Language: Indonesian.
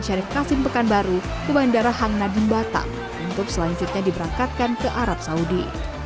dan kemudian ke bandara hang nadim batam untuk selanjutnya diberangkatkan ke arab saudi